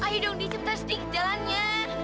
ayo dong di cepet cepet di jalannya